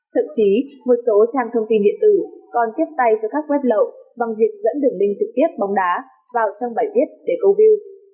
thậm chí một số trang thông tin điện tử còn tiếp tay cho các web lậu bằng việc dẫn đường link trực tiếp bóng đá vào trong bài viết để câu view